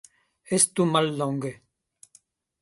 Estu mallonge.